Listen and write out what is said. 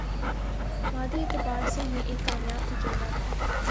مادی اعتبار سے یہ ایک کامیاب تجربہ تھا